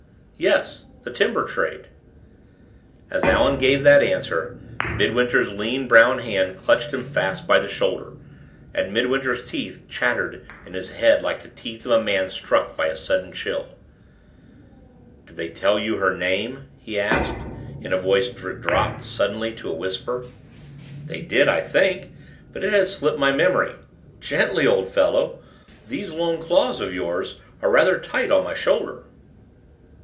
"Yes; the timber trade." As Allan gave that answer, Midwinter's lean brown hand clutched him fast by the shoulder, and Midwinter's teeth chattered in his head like the teeth of a man struck by a sudden chill. "Did they tell you her name?" he asked, in a voice that dropped suddenly to a whisper. "They did, I think. But it has slipped my memory. Gently, old fellow; these long claws of yours are rather tight on my shoulder."